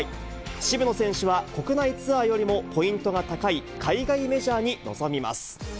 渋野選手は国内ツアーよりもポイントが高い海外メジャーに臨みます。